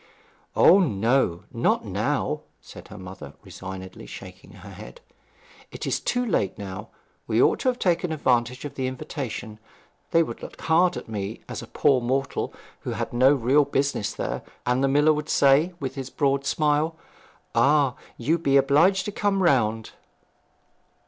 'O no not now,' said her mother, resignedly shaking her head. 'It is too late now. We ought to have taken advantage of the invitation. They would look hard at me as a poor mortal who had no real business there, and the miller would say, with his broad smile, "Ah, you be obliged to come round."'